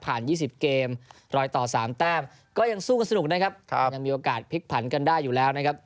๒๐เกมรอยต่อ๓แต้มก็ยังสู้กันสนุกนะครับยังมีโอกาสพลิกผันกันได้อยู่แล้วนะครับ